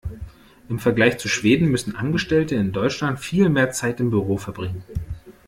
Im Vergleich zu Schweden müssen Angestellte in Deutschland viel mehr Zeit im Büro verbringen.